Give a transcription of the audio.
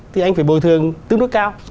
thì anh phải bồi thương tương đối cao